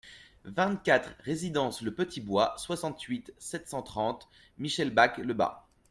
vingt-quatre résidence le Petit Bois, soixante-huit, sept cent trente, Michelbach-le-Bas